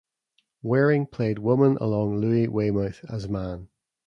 Waring played "Woman" alongside Louis Waymouth as "Man".